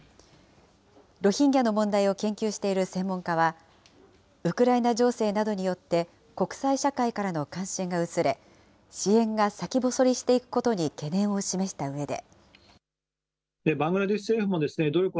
ロヒンギャの問題を研究している専門家は、ウクライナ情勢などによって、国際社会からの関心が薄れ、支援が先細りしていくことに懸念を示したうえで。